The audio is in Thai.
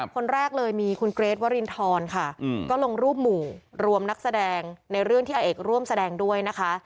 คนแรกเลยมีคุณเกรทวรินทรค่ะก็ลงรูปหมู่รวมนักแสดงในเรื่องที่อาเอกร่วมแสดงด้วยนะคะ